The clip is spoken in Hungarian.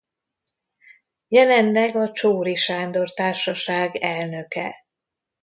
Jelenleg a Csoóri Sándor Társaság elnöke.